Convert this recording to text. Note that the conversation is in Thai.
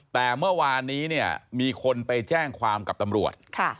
แต่เมื่อวานนี้เนี่ยมีคนไปแจ้งความกับตำรวจ